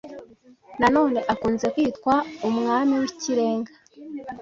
nanone akunze kwitwa Umwami w’Ikirenga